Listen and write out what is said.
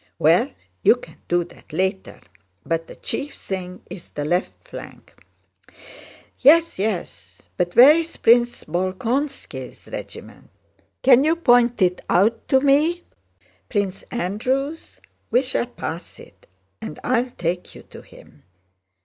"Well, you can do that later, but the chief thing is the left flank." "Yes, yes. But where is Prince Bolkónski's regiment? Can you point it out to me?" "Prince Andrew's? We shall pass it and I'll take you to him."